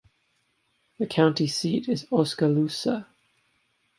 The county seat is Oskaloosa.